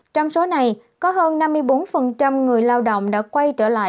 trong số này có hơn năm mươi bốn người lao động đã quay trở lại